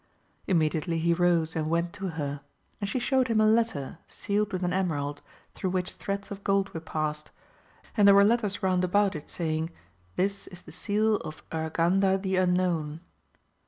Immediately he rose and went to her, and she showed him a letter sealed with an emerald, through which threads of gold were passed, and there were letters round about it saying. This is the seal of Urganda the Unknown.